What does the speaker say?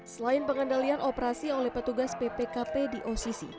selain pengendalian operasi oleh petugas ppkp di occ